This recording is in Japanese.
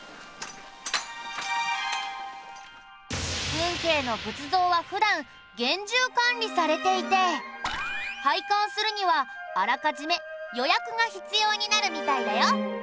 運慶の仏像は普段厳重管理されていて拝観するにはあらかじめ予約が必要になるみたいだよ。